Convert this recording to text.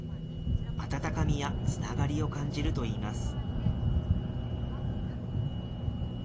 温かみやつながりを感じるといいます。